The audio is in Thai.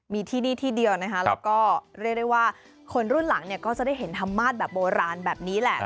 มีที่นี่ที่เดียวนะคะแล้วก็เรียกได้ว่าคนรุ่นหลังเนี่ยก็จะได้เห็นธรรมาสแบบโบราณแบบนี้แหละ